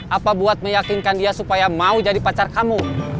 apa buat meyakinkan dia supaya mau jadi pacar kamu